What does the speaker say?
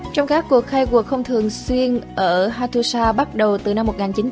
trong các cuộc khai cuộc không thường xuyên ở hattusa bắt đầu từ năm một nghìn chín trăm chín mươi